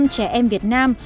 sáu mươi trẻ em việt nam